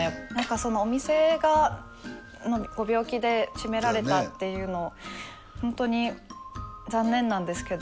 そのお店がご病気で閉められたっていうのホントに残念なんですけど